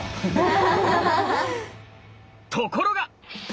ところが！